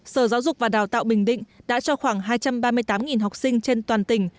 sở giáo dục và đào tạo bình định đã cho khoảng hai trăm ba mươi tám học sinh trên toàn tỉnh